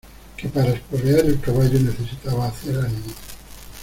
que para espolear el caballo necesitaba hacer ánimos.